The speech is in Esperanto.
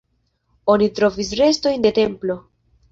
Oni trovis restojn de templo.